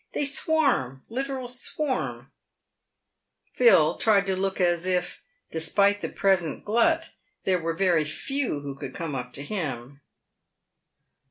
They swarm— literal swarm !" Phil tried to look as if, despite the present glut, there were very few who could come up to him.